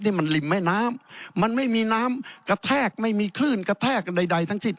นี่มันริมแม่น้ำมันไม่มีน้ำกระแทกไม่มีคลื่นกระแทกใดทั้งสิ้น